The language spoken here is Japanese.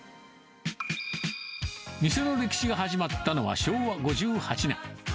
店の歴史が始まったのは、昭和５８年。